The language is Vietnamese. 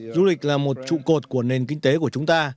du lịch là một trụ cột của nền kinh tế của chúng ta